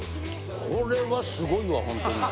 これはすごいわほんとに。